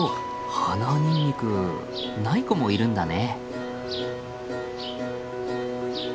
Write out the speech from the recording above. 鼻ニンニクない子もいるんだね。